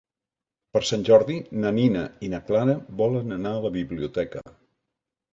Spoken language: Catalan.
Per Sant Jordi na Nina i na Clara volen anar a la biblioteca.